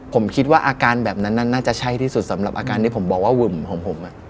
ผมคิดว่าอาการแบบนั้นน่าจะใช่ที่สุดสำหรับอาการที่ผมบอกว่าหึ่มของผม